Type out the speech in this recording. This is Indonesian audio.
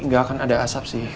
nggak akan ada asap sih